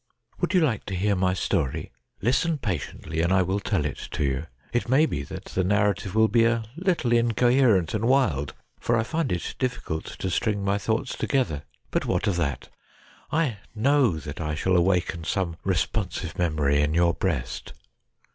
Would you like to hear my story ? Listen patiently and I will tell it to you. It may be that the narrative will be a little incoherent and wild, for I find it difficult to string my thoughts together. But what of that ? I know that I shall awaken some responsive memory in your breast.